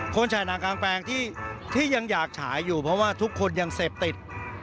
ฉายหนังกลางแปลงที่ยังอยากฉายอยู่เพราะว่าทุกคนยังเสพติด